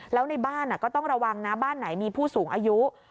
แล้วในบ้านก็ต้องระวังนะบ้านไหนมีผู้สูงอายุ